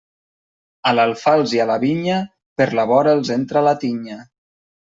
A l'alfals i a la vinya, per la vora els entra la tinya.